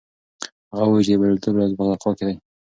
هغه وایي چې د بریالیتوب راز په تقوا کې دی.